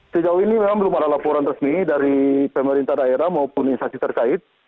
sejauh ini memang belum ada laporan resmi dari pemerintah daerah maupun instansi terkait